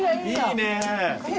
いいねぇ。